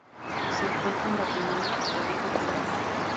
Se encuentra en Guatemala, Costa Rica y Panamá.